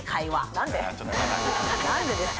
何でです？